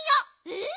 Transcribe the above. えっ？